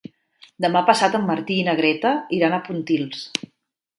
Demà passat en Martí i na Greta iran a Pontils.